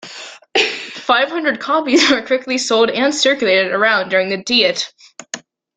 Five hundred copies were quickly sold and circulated around during the Diet.